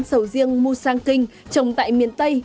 sầu riêng musang king trồng tại miền tây